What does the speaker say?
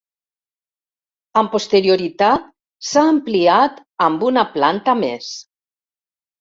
Amb posterioritat s'ha ampliat amb una planta més.